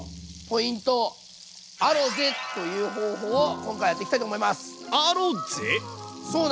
「アロゼ」という方法を今回やっていきたいと思います。